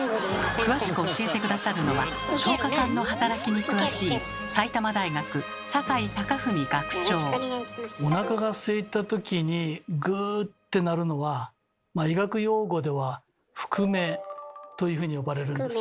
詳しく教えて下さるのは消化管の働きに詳しいおなかがすいたときに「ぐ」って鳴るのは医学用語では「腹鳴」というふうに呼ばれるんです。